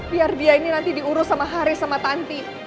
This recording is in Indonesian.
biar dia ini nanti diurus sama haris sama tanti